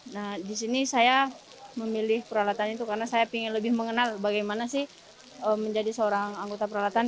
nah di sini saya memilih peralatan itu karena saya ingin lebih mengenal bagaimana sih menjadi seorang anggota peralatan